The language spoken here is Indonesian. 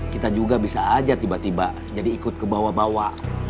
kita juga bisa aja tiba tiba jadi ikut ke bawah bawa